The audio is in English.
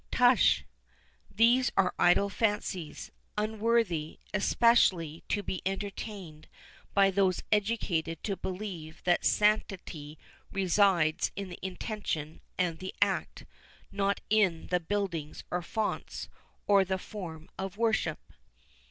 —Tush, these are idle fancies, unworthy, especially, to be entertained by those educated to believe that sanctity resides in the intention and the act, not in the buildings or fonts, or the form of worship."